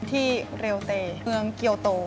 ที่เรลเตย์เมืองเกียวโต